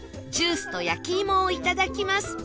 ジュースと焼き芋をいただきます